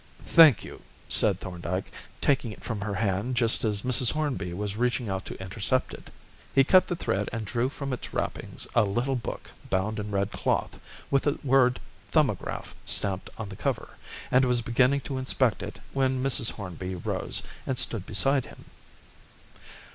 "Thank you," said Thorndyke, taking it from her hand just as Mrs. Hornby was reaching out to intercept it. He cut the thread and drew from its wrappings a little book bound in red cloth, with the word "Thumbograph" stamped upon the cover, and was beginning to inspect it when Mrs. Hornby rose and stood beside him.